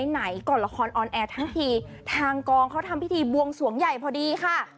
ไหนก่อนละครออนแอร์ทั้งทีทางกองเขาทำพิธีบวงสวงใหญ่พอดีค่ะ